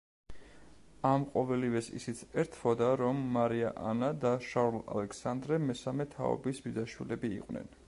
ამ ყოველივეს ისიც ერთვოდა, რომ მარია ანა და შარლ ალექსანდრე მესამე თაობის ბიძაშვილები იყვნენ.